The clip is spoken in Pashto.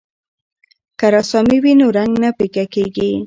که رسامي وي نو رنګ نه پیکه کیږي.